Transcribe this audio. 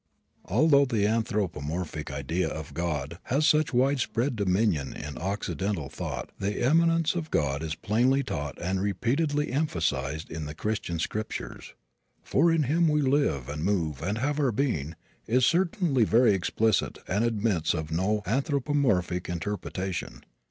Although the anthropomorphic idea of God has such widespread dominion in Occidental thought the immanence of God is plainly taught and repeatedly emphasized in the Christian scriptures. "For in Him we live, and move, and have our being," is certainly very explicit and admits of no anthropomorphic interpretation.